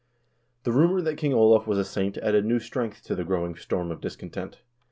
The rumor that King Olav was a saint added new strength to the growing storm of discontent.